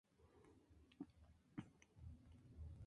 Biological, chemical, geological, physical and medical sciences.